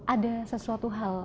ada sesuatu hal